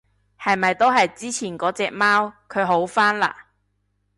係咪都係之前嗰隻貓？佢好返嘞？